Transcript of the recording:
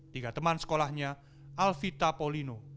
tiga teman sekolahnya alvita polino